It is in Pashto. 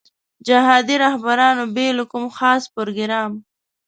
جهادي رهبرانو بې له کوم خاص پروګرام.